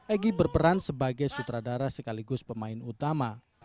egy berperan sebagai sutradara sekaligus pemain utama